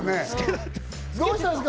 どうしたんですか？